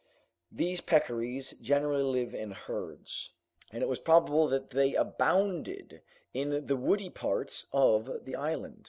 These peccaries generally live in herds, and it was probable that they abounded in the woody parts of the island.